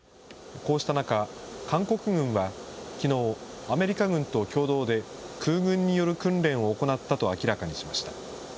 こうした中、韓国軍はきのう、アメリカ軍と共同で、空軍による訓練を行ったと明らかにしました。